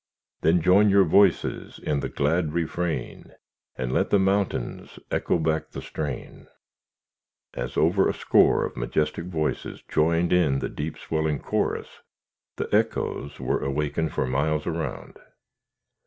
Then join your voices In the glad refrain, And let the mountains Echo back the strain. As over a score of majestic voices joined in the deep swelling chorus, the echoes were awakened for miles around.